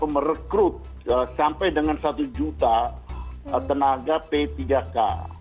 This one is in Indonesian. merekrut sampai dengan satu juta tenaga p tiga k